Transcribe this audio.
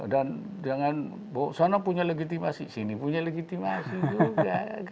dan jangan sana punya legitimasi sini punya legitimasi juga